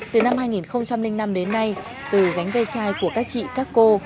từ năm hai nghìn năm đến nay từ gánh ve chai của các chị các cô